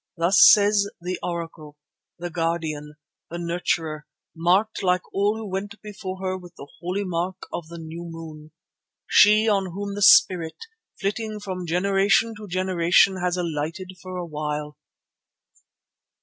Thus says the Oracle, the Guardian, the Nurturer, marked like all who went before her with the holy mark of the new moon. She on whom the spirit, flitting from generation to generation, has alighted for a while.